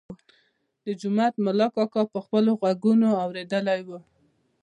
د جومات ملا کاکا په خپلو غوږونو اورېدلی و.